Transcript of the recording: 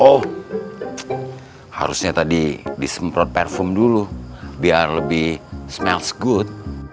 oh harusnya tadi disemprot parfum dulu biar lebih smells good